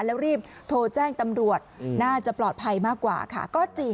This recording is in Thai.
แล้วรีบโทรแจ้งตำรวจน่าจะปลอดภัยมากกว่าค่ะ